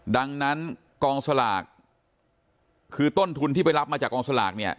ดังนั้นกองสลากคือต้นทุนที่ไปรับมาจากกองสลากเนี่ย